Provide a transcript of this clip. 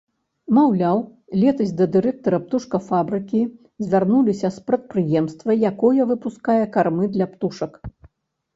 Маўляў, летась да дырэктара птушкафабрыкі звярнуліся з прадпрыемства, якое выпускае кармы для птушак.